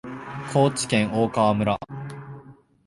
高知県大川村